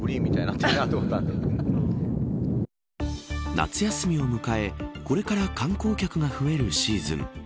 夏休みを迎え、これから観光客が増えるシーズン。